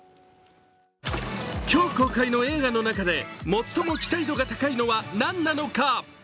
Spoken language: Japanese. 今日公開の映画の中で最も期待度が高いのは何なのか。